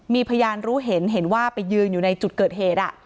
มีพยานรู้เห็นเห็นว่าไปยืนอยู่ในจุดเกิดเหตุ